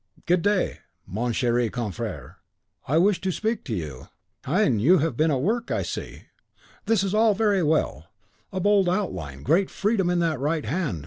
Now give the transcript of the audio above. "Good day, mon cher confrere. I wished to speak to you. Hein! you have been at work, I see. This is well, very well! A bold outline, great freedom in that right hand.